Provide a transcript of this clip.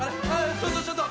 ちょっとちょっと！